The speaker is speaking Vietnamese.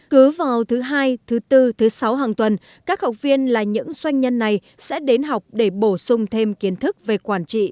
cứ vào thứ hai thứ bốn thứ sáu hàng tuần các học viên là những doanh nhân này sẽ đến học để bổ sung thêm kiến thức về quản trị